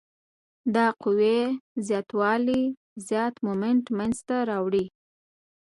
د قوې زیات والی زیات مومنټ منځته راوړي.